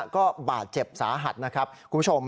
ก็บาดเจ็บสาหัสนะครับคุณผู้ชม